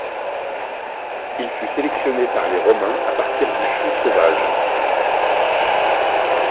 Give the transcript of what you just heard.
Il fut sélectionné par les Romains à partir du chou sauvage.